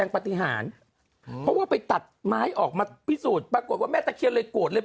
พลิกต๊อกเต็มเสนอหมดเลยพลิกต๊อกเต็มเสนอหมดเลย